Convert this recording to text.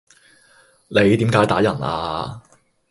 你點解打人啊？